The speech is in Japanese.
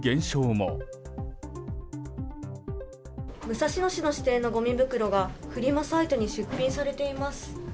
武蔵野市の指定のごみ袋がフリマサイトに出品されています。